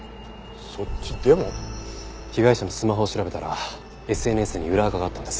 被害者のスマホを調べたらＳＮＳに裏アカがあったんです。